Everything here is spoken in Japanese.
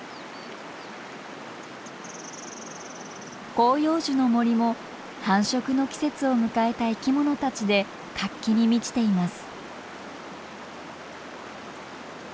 広葉樹の森も繁殖の季節を迎えた生きものたちで活気に満ちています。